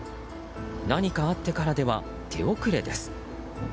何かあってからでは手遅れです。